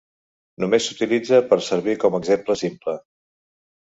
Només s'utilitza per servir com a exemple simple.